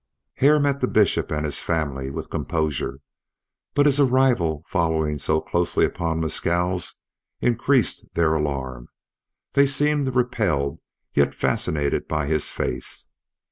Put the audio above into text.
Hare met the Bishop and his family with composure, but his arrival following so closely upon Mescal's, increased their alarm. They seemed repelled yet fascinated by his face.